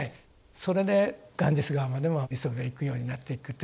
それでガンジス河までも磯辺は行くようになっていくという。